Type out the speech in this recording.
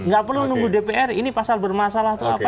nggak perlu nunggu dpr ini pasal bermasalah tuh apa